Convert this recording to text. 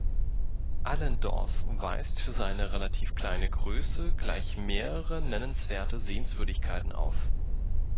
Allendorf weist für seine relativ kleine Größe gleich mehrere nennenswerte Sehenswürdigkeiten auf.